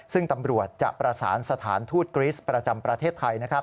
ซึ่งตำรวจจะประสานสถานทูตกริสต์ประจำประเทศไทย